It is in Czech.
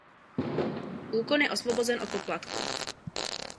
Úkon je osvobozen od poplatku.